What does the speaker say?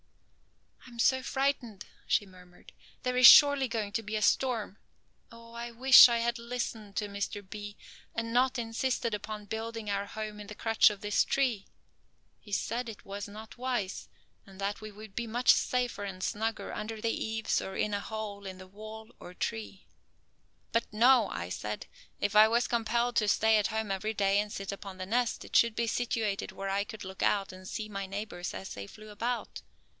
"I am so frightened," she murmured, "there is surely going to be a storm. Oh, I wish I had listened to Mr. B. and not insisted upon building our home in the crotch of this tree. He said it was not wise, and that we would be much safer and snugger under the eaves or in a hole in the wall or tree. But, no, I said, if I was compelled to stay at home every day and sit upon the nest it should be situated where I could look out and see my neighbors as they flew about.